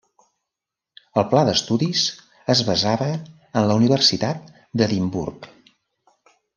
El pla d'estudis es basava en el de la Universitat d'Edimburg.